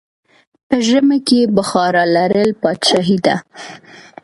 په ژمی کې بخارا لرل پادشاهي ده.